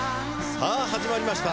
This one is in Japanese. さあ始まりました。